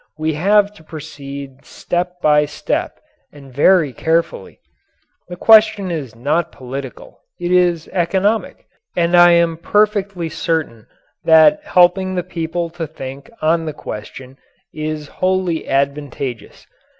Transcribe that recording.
We have to proceed step by step and very carefully. The question is not political, it is economic, and I am perfectly certain that helping the people to think on the question is wholly advantageous.